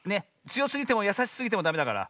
つよすぎてもやさしすぎてもダメだから。